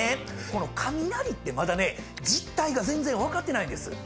この雷ってまだね実態が全然分かってないんです。